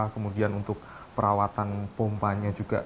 kemudian untuk perawatan pompanya juga